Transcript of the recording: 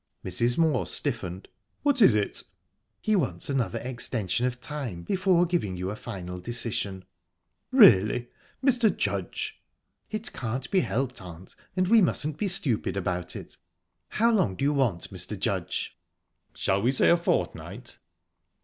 Mrs. Moor stiffened. "What is it?" "He wants another extension of time, before giving you a final decision." "Really, Mr. Judge..." "It can't be helped, aunt, and we mustn't be stupid about it. How long do you want, Mr. Judge?" "Shall we say a fortnight?"